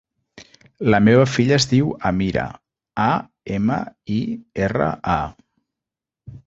La meva filla es diu Amira: a, ema, i, erra, a.